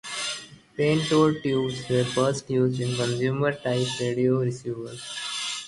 Pentode tubes were first used in consumer-type radio receivers.